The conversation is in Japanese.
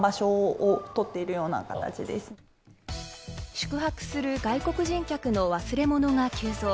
宿泊する外国人客の忘れ物が急増。